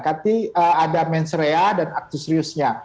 ada mensrea dan aktus riusnya